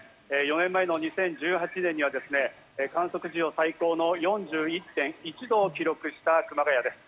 ４年前の２０１８年には観測史上最高の４１．１度を記録した熊谷です。